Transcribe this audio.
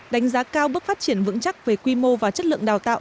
đánh giá cao bước phát triển vững chắc về quy mô và chất lượng đào tạo